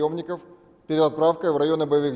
dibawa ke sebuah rumah sakit